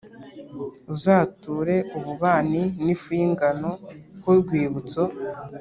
Uzature ububani, n’ifu y’ingano ho urwibutso,